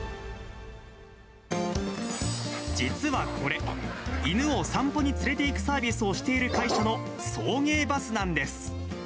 実はこれ、犬を散歩に連れていくサービスをしている会社の送迎バスなんです。